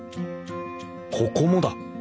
ここもだ。